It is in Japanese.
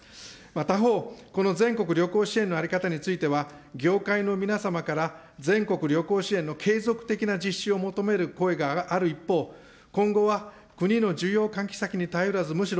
他方、この全国旅行支援の在り方については、業界の皆様から、全国旅行支援の継続的な実施を求める声がある一方、今後は国の需要喚起策に頼らず、むしろ、